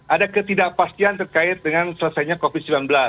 ada ketidakpastian terkait dengan selesainya covid sembilan belas